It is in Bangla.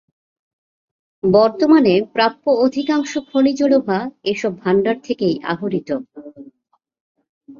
বর্তমানে প্রাপ্য অধিকাংশ খনিজ লোহা এসব ভাণ্ডার থেকেই আহরিত।